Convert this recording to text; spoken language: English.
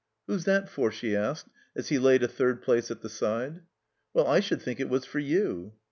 ''Who's that for?" she asked as he laid a third place at the side. "Well, I should think it was for you.'